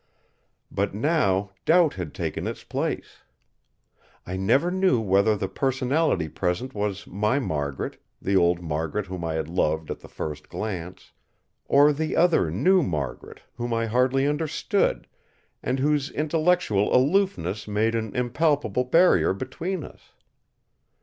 But now doubt had taken its place. I never knew whether the personality present was my Margaret—the old Margaret whom I had loved at the first glance—or the other new Margaret, whom I hardly understood, and whose intellectual aloofness made an impalpable barrier between us.